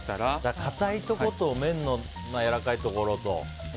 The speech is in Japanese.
硬いところと麺のやわらかいところと。